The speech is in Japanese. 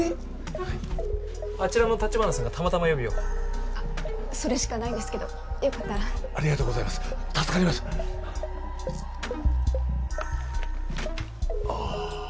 はいあちらの立花さんがたまたま予備をあっそれしかないんですけどよかったらありがとうございます助かりますああ